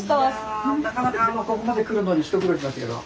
いやなかなかあのここまで来るのに一苦労しましたけど。